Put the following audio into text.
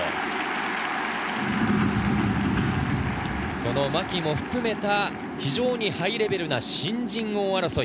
その牧も含めた非常にハイレベルな新人王争い。